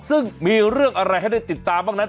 ซึ่งมีเรื่องอะไรให้ได้ติดตามบ้างนั้น